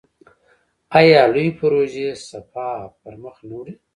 آیا لویې پروژې سپاه پرمخ نه وړي؟